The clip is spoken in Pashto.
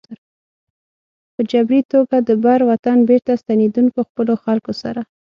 په جبري توګه د بر وطن بېرته ستنېدونکو خپلو خلکو سره.